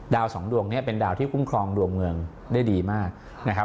สองดวงนี้เป็นดาวที่คุ้มครองดวงเมืองได้ดีมากนะครับ